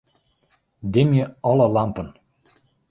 Dimje alle lampen.